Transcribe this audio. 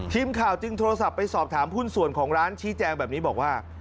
ทีมข่าวจึงโทรศัพท์ไปสอบถามหุ้นส่วนของร้านชี้แจงแบบนี้บอกว่า